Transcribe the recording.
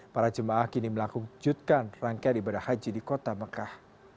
para jemaah kini melakukan rangkaian ibadah haji di kota mekah